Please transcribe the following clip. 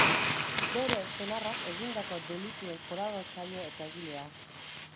Bere senarrak egindako delituen kolaboratzaile eta egilea.